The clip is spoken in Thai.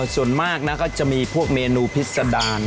ส่วนมากนะก็จะมีพวกเมนูพิษดาร